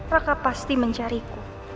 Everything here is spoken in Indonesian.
rakah pasti mencariku